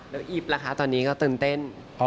แล้วอีฟล่ะคะตอนนี้ก็ตื่นเต้น